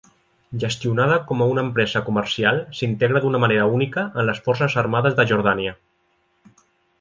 Gestionada com a una empresa comercial, s'integra d'una manera única en les Forces armades de Jordània.